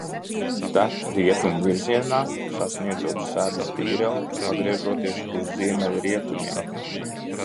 Tek rietumu virzienā, sasniedzot Sedas tīreli pagriežoties uz ziemeļrietumiem.